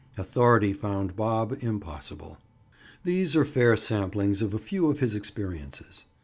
Authority found Bob impossible. These are fair samples of a few of his experiences.